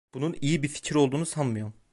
Bunun iyi bir fikir olduğunu sanmıyorum.